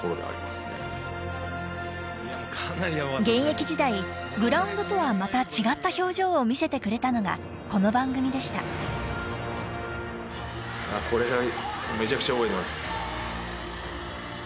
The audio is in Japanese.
現役時代グラウンドとはまた違った表情を見せてくれたのがこの番組でしたこれ。